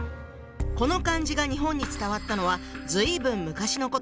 この漢字が日本に伝わったのは随分昔のこと。